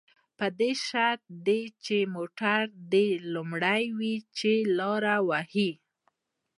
په شرط د دې چې موټر دې لومړی وي، چې لاره ووهي.